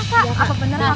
kak fero kak fero berapa